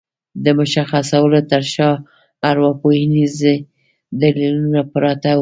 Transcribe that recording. د مشخصولو تر شا ارواپوهنيز دليلونه پراته دي.